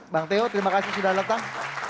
bang teo terima kasih sudah datang